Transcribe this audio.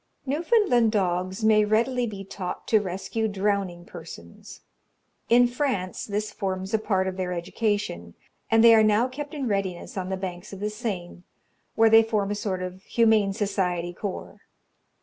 Newfoundland dogs may readily be taught to rescue drowning persons. In France, this forms a part of their education, and they are now kept in readiness on the banks of the Seine, where they form a sort of Humane Society Corps.